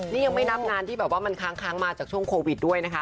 นี่ยังไม่นับงานที่แบบว่ามันค้างมาจากช่วงโควิดด้วยนะคะ